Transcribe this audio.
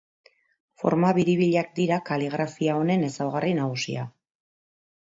Forma biribilak dira kaligrafia honen ezaugarri nagusia.